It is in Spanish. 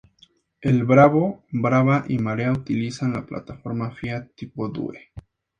El Bravo, Brava y Marea utilizan la plataforma Fiat Tipo Due.